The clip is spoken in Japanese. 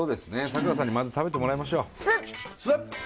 サクラさんにまず食べてもらいましょうスッ！